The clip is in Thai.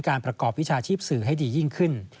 ประกอบวิชาชีพสื่อให้ดียิ่งขึ้น